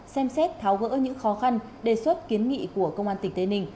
xem xét tháo gỡ những khó khăn đề xuất kiến nghị của công an tỉnh tây ninh